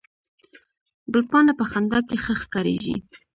ګلپاڼه په خندا کې ښه ښکارېږي